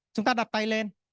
chúng ta đặt tay lên